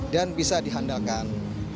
dan bisa dihandalkan